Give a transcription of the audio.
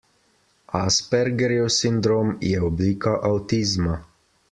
Aspergerjev sindrom je oblika avtizma.